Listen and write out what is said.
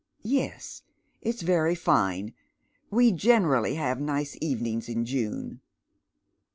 "Yes, it's very fine. We generally have nice evenings in June."